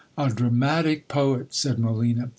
A dramatic poet ! said Molina.